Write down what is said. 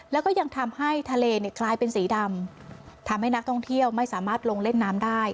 แล้วก็ยังทำให้ทะเลเนี่ยกลายเป็นสีดำทำให้นักท่องเที่ยวไม่สามารถลงเล่นน้ำได้